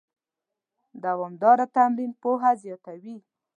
دوامداره تمرین پوهه زیاتوي.